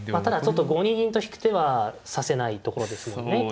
ただちょっと５二銀と引く手は指せないところですよね